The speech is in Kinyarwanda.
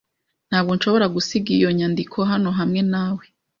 Ntabwo nshobora gusiga iyo nyandiko hano hamwe nawe.